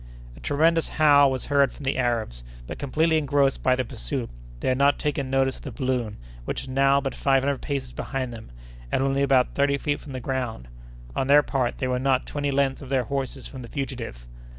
A tremendous howl was heard from the Arabs, but, completely engrossed by the pursuit, they had not taken notice of the balloon, which was now but five hundred paces behind them, and only about thirty feet from the ground. On their part, they were not twenty lengths of their horses from the fugitive.